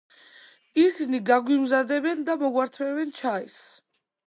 ისინი გაგვიმზადებენ და მოგვართმევენ ჩაის.